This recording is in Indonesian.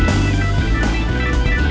kemana lagi terboolah kamu ndung